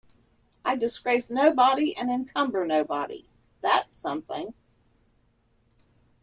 I disgrace nobody and encumber nobody; that's something.